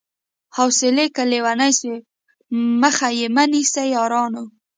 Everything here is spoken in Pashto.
حوصلې که ليونۍ سوې مخ يې مه نيسئ يارانو